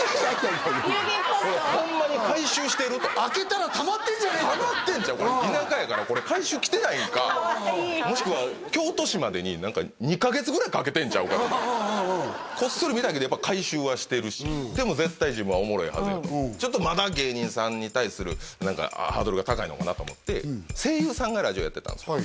ホンマに回収してる？と開けたらたまってんじゃねえかと田舎やからこれ回収来てないんかもしくは京都市までに２カ月ぐらいかけてんちゃうかとかこっそり見たけどやっぱ回収はしてるしでも絶対自分はおもろいはずやとちょっとまだ芸人さんに対する何かハードルが高いのかなと思って声優さんがラジオやってたんですよ